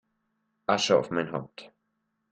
Asche auf mein Haupt!